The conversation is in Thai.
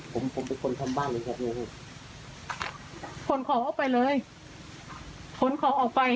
ผมผมเป็นคนทำบ้านเลยครับขนของออกไปเลยขนของออกไป